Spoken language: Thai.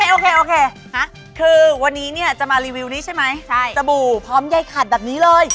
โอเคโอเคคือวันนี้เนี่ยจะมารีวิวนี้ใช่ไหมใช่สบู่พร้อมใยขัดแบบนี้เลย